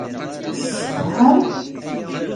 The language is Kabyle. Tessetḥam?